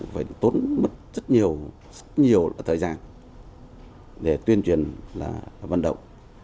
phải tốn mất rất nhiều thời gian để tuyên truyền là vận động